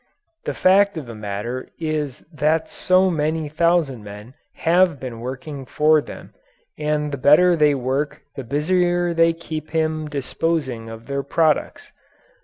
The fact of the matter is that so many thousand men have him working for them and the better they work the busier they keep him disposing of their products.